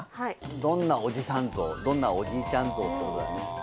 どんなおじさん像、どんなおじいちゃん像ってことだね。